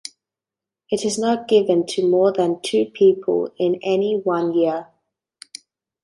It is not given to more than two people in any one year.